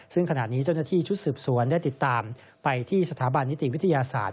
ซึ่งขณะนี้เจ้าหน้าที่ชุดสืบสวนได้ติดตามไปที่สถาบันนิติวิทยาศาสตร์